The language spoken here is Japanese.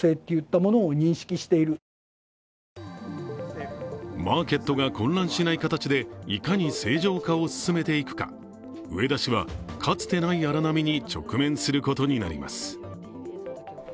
専門家はマーケットが混乱しない形でいかに正常化を進めていくか、植田氏はかつてない荒波に直面することになります。